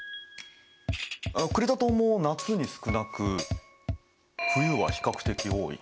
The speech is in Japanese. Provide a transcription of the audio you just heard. クレタ島も夏に少なく冬は比較的多い。